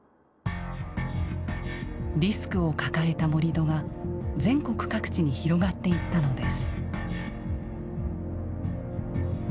リスクを抱えた盛土が全国各地に広がっていったのです。